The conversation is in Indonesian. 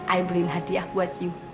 ai beliin hadiah buat you